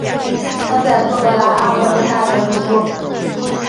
他在苏格兰阿伯丁大学读书。